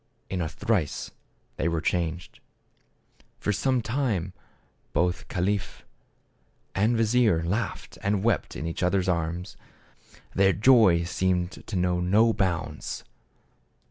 In a trice, they were changed. For some time both caliph and vizier laughed and wept in each other's arms. Their joy seemed to know no bounds.